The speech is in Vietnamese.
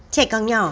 trẻ càng nhỏ